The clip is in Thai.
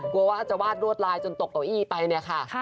กลัวว่าจะวาดรวดลายจนตกตัวอี้ไปนะคะ